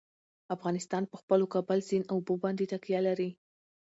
افغانستان په خپلو کابل سیند اوبو باندې تکیه لري.